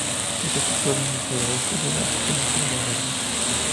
Está situada en el suroeste de la península del Barbanza.